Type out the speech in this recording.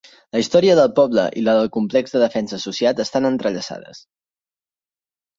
La història del poble i la del complex de defensa associat estan entrellaçades.